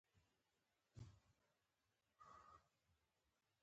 زردالو د افغانستان د ځمکې د جوړښت یوه ښکاره نښه ده.